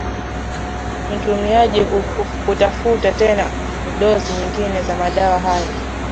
mtumiaji kutafuta tena dozi nyingine ya madawa hayo